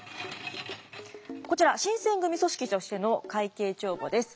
こちら新選組組織としての会計帳簿です。